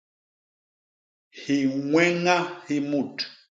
Hiñweña hi mut.